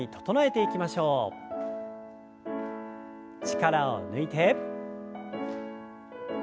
力を抜いて。